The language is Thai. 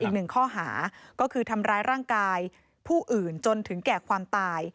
นอกเหนือจากข้อหาทำร้ายร่างกายผู้อื่นที่แจ้งไปแล้วก่อนหน้านี้นะคะ